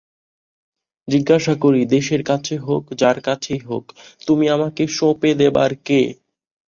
জিজ্ঞাসা করি দেশের কাছে হোক যার কাছেই হোক তুমি আমাকে সঁপে দেবার কে?